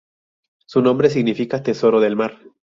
Su nombre significa tesoro del mar.